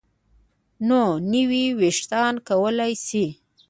نو نوي ویښتان کولی شي